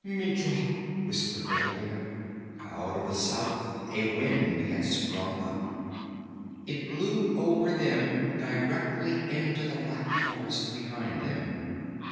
"Mitra!" whispered Valeria. Out of the south a wind had sprung up. It blew over them directly into the black forest behind them.